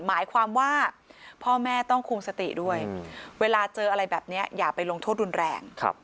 หมายความว่าพ่อแม่ต้องคุมสติด้วยเวลาเจออะไรแบบนี้อย่าไปลงโทษรุนแรง